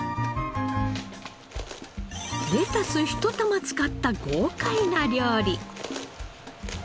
レタス１玉使った豪快な料理。